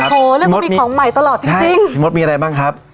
โอ้โหเรื่องว่ามีของใหม่ตลอดจริงจริงใช่พี่มดมีอะไรบ้างครับ